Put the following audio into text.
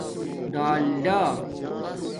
ڈلڈا